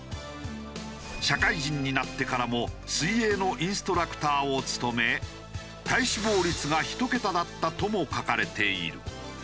社会人になってからも水泳のインストラクターを務め体脂肪率が１桁だったとも書かれている。